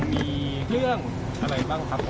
มีเรื่องอะไรบ้างครับ